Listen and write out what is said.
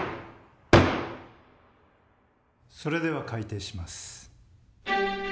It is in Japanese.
それでは開廷します。